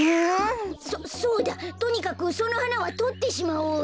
そそうだとにかくそのはなはとってしまおうよ。